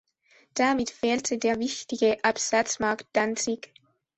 Damit fehlte der wichtige Absatzmarkt Danzig.